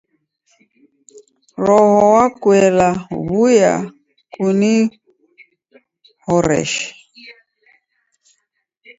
Roho wa kuela w'uya kunighoreshe.